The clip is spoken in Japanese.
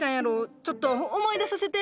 ちょっと思い出させて。